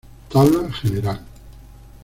Tabla general